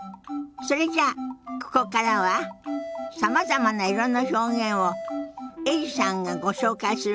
それじゃあここからはさまざまな色の表現をエリさんがご紹介するわよ。